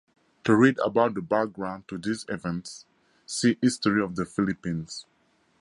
To read about the background to these events, see History of the Philippines.